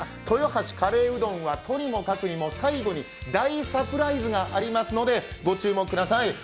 豊橋カレーうどんは、とにもかくにも最後に大サプライズがありますので、ご注目ください。